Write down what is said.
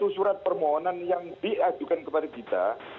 satu surat permohonan yang diajukan kepada kita